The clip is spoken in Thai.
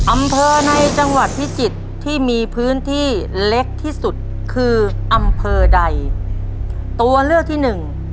อำเภอในจังหวัดพิจิตรที่มีพื้นที่เล็กที่สุดคืออำเภอใดตัวเลือกที่หนึ่ง